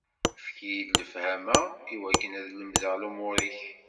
Efk-iyi-d lefhama iwakken ad lemdeɣ lumuṛ-ik.